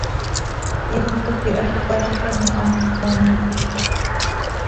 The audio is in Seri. Ipca quih hax ttazlcam oo, hant cöxoometolca.